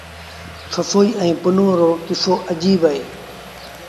سسئيٚ ائيٚݩ پنهون رو ڪسو اجيب اهي۔